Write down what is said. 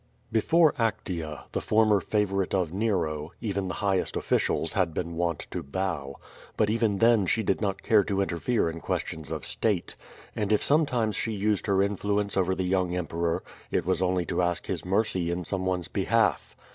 Before Actea, the former favorite of Nero, even the highest officials had been wont to bow. But even then she did not care to interfere in questions of state. And if sometimes she used her influence over the young emperor, it was only to ask his mercy in someone's behalf.